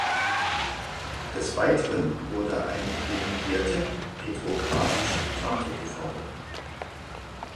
Des Weiteren wurde eine „illuminierte petrographische Charte“ gefordert.